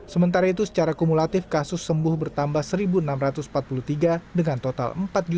sementara itu secara kumulatif kasus sembuh bertambah satu enam ratus empat puluh tiga dengan total empat satu ratus dua puluh sembilan tiga ratus lima